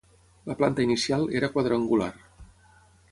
La planta inicial era quadrangular.